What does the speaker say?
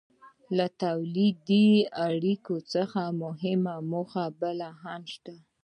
له تولیدي اړیکو څخه یوه مهمه موخه بله هم شته.